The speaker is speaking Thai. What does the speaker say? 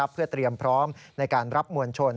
เพื่อเตรียมพร้อมในการรับมวลชน